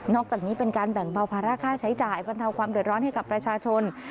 อกจากนี้เป็นการแบ่งเบาภาระค่าใช้จ่ายบรรเทาความเดือดร้อนให้กับประชาชน